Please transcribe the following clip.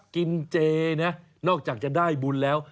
กินเจนะนอกจากจะได้บุญแล้ว